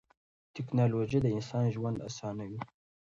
تکنالوژي د انسان ژوند اسانوي.